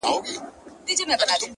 ستا هم د پزي په افسر كي جـادو،